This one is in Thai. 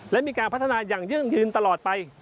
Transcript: และมีการพัฒนาอย่างยั่งยืนตลอดไป